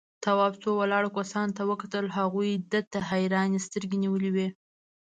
تواب څو ولاړو کسانو ته وکتل، هغوی ده ته حيرانې سترگې نيولې وې.